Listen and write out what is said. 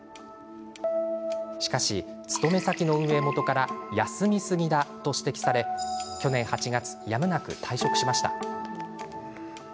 しかし、勤め先の運営元から休みすぎだと指摘され去年８月、やむなく退職しました。